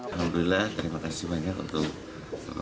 alhamdulillah terima kasih banyak untuk